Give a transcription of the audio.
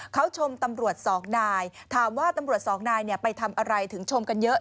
เขาชมตำรวจสองนายถามว่าตำรวจสองนายไปทำอะไรถึงชมกันเยอะ